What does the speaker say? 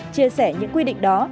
chia sẻ những quy định đó